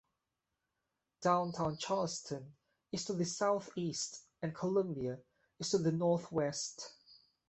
Downtown Charleston is to the southeast, and Columbia is to the northwest.